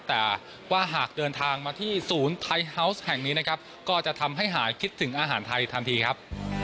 แต่ว่าหากเดินทางมาที่ศูนย์ไทยฮาวส์แห่งนี้นะครับก็จะทำให้หายคิดถึงอาหารไทยทันทีครับ